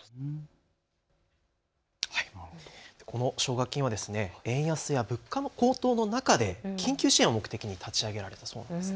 この奨学金は円安や物価の高騰の中で緊急支援を目的に立ち上げられたそうなんです。